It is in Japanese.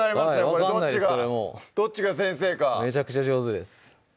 これどっちがどっちが先生かめちゃくちゃ上手です